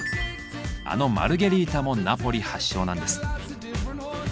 あのマルゲリータもナポリ発祥なんです。